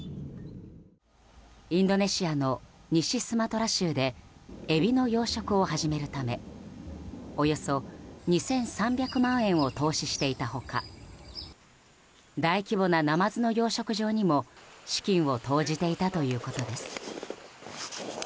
インドネシアの西スマトラ州でエビの養殖を始めるためおよそ２３００万円を投資していた他大規模なナマズの養殖場にも資金を投じていたということです。